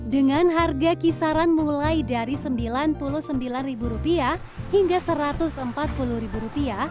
dengan harga kisaran mulai dari rp sembilan puluh sembilan hingga rp satu ratus empat puluh